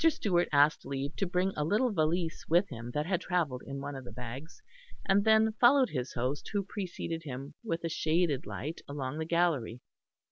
Stewart asked leave to bring a little valise with him that had travelled in one of the bags, and then followed his host who preceded him with a shaded light along the gallery.